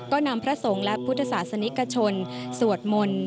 ก็นำพระสงฆ์และพุทธศาสนิกชนสวดมนต์